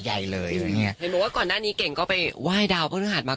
ใหญ่เลยอย่างเงี้ยเห็นเหมือนว่าก่อนด้านนี้เก่งก็ไปไหว้ดาวพระธุรกิจมา